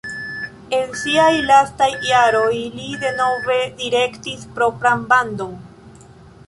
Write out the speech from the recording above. En siaj lastaj jaroj li denove direktis propran bandon.